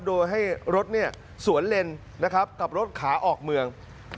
โดยให้รถสวนเลนนะครับกับรถขาออกเมือง